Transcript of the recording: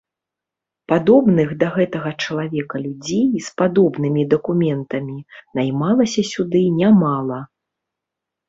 Падобных да гэтага чалавека людзей з падобнымі дакументамі наймалася сюды нямала.